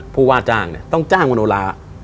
ผู้ว่าจ้างเนี่ยต้องจ้างมโนลา